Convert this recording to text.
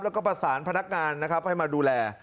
แล้วก็ประสานพนักงานนะครับให้มาดูแล